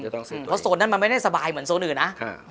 เพราะโซนนั้นมันไม่ได้สบายเหมือนโซนอื่นนะ